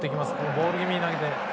ボール気味に投げて。